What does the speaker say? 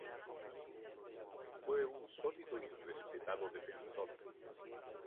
Fue un sólido y respetado defensor.